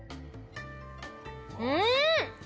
うん！